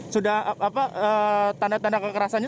sudah tanda tanda kekerasannya